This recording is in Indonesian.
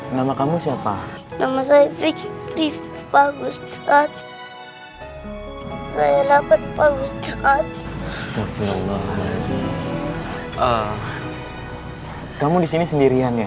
nama kamu siapa nama saya sih bagus saya dapat bagus kamu disini sendirian ya